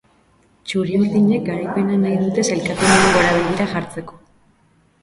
Txuriurdinek garaipena nahi dute sailkapenean gora begira jartzeko.